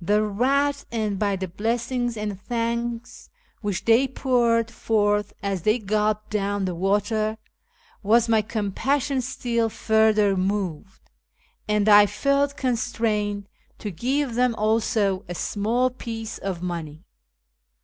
Thereat, and by the blessings and thanks which they poured forth as they gulped down the water, was my compassion still further moved, and I felt constrained to give them also a small FROM YEZD TO KIRMAn 421 piece of money.